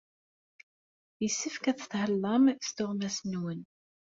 Yessefk ad tethellam s tuɣmas-nwen.